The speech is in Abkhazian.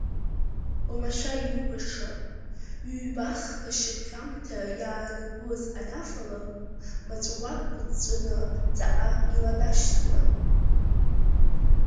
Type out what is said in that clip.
Омашәа иубаша, ҩба-хԥа шьапҟьамҭа иаанагоз анафалак, маҵәқәак ԥыҵәҵәаны ҵаҟа иланашьҭуан…